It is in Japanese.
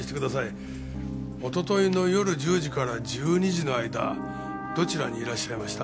おとといの夜１０時から１２時の間どちらにいらっしゃいました？